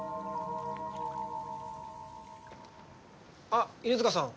あっ犬塚さん。